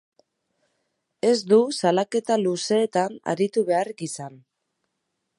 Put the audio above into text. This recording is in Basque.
Ez du salaketa luzeetan aritu beharrik izan.